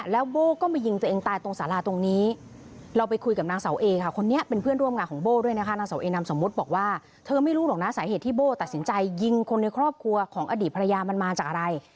แล้วโบ้ก็มายิงตัวเองตายตรงสาราตรงนี้เราไปคุยกับนางเสาเอค่ะคนนี้เป็นเพื่อนร่วมงานของโบ้ด้วยนะคะนางเสาเอนามสมมุติบอกว่าเธอไม่รู้หรอกนะสาเหตุที่โบ้ตัดสินใจยิงคนในครอบครัวของอดีตภรรยามันมาจากอะไร